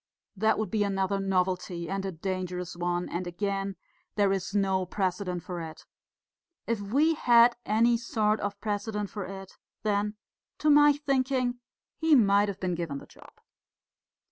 That would be another novelty and a dangerous one; and again, there is no precedent for it. If we had any sort of precedent for it, then, to my thinking, he might have been given the job."